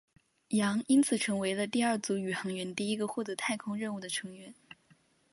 杨因此成为了第二组宇航员第一个获得太空任务的成员。